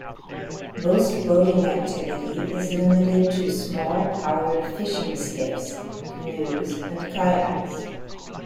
Most boating activity is limited to small powered fishing skiffs, canoes and kayaks.